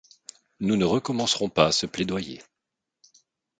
Nous ne recommencerons pas ce plaidoyer.